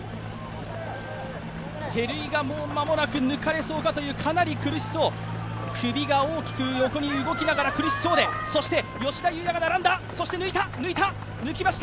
照井がもう間もなく抜かれそう、かなり苦しそう、首が大きく横に動きながら苦しそうで吉田祐也が並んで抜きました。